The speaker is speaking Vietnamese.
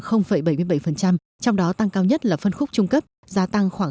trong đó tăng cao nhất là phân khúc chung cấp giá tăng khoảng chín mươi chín